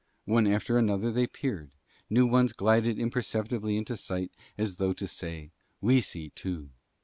One after another they peered, new ones glided imperceptibly into sight as though to say, We see too.